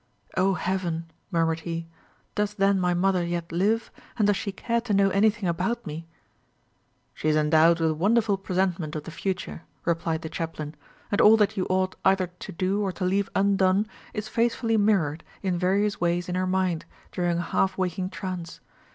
"O Heaven!" murmured he, "does then my mother yet live, and does she care to know anything about me?" "She is endowed with a wonderful presentiment of the future," replied the chaplain; "and all that you ought either to do or to leave undone is faithfully mirrored in various ways in her mind, during a half waking trance.